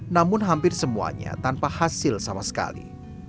namun hampir semuanya tanpa hasil sama sekali